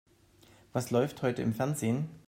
Was läuft heute im Fernsehen?